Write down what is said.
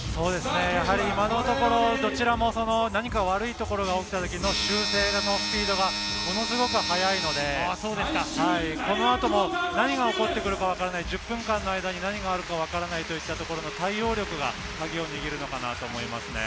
今のところどちらも何か悪いところが起きた時の修正のスピードがものすごく速いので、この後も何が起こってくるかわからない、１０分間の間に何が起こるかわからない、その対応力がカギを握るのかなと思いますね。